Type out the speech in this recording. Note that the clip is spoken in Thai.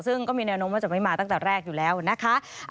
ซึ่งก็มีแนวโน้มว่าจะไม่มาตั้งแต่แรกอยู่แล้วนะคะ